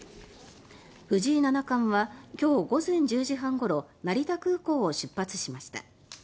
藤井七冠は今日午前１０時半ごろ成田空港を出発しました。